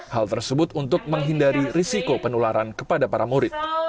hal tersebut untuk menghindari risiko penularan kepada para murid